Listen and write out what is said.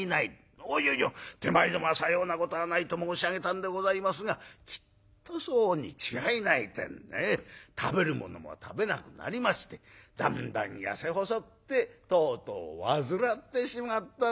あっいやいや手前どもはさようなことはないと申し上げたんでございますがきっとそうに違いないてんでね食べるものも食べなくなりましてだんだん痩せ細ってとうとう患ってしまったんでございましてね。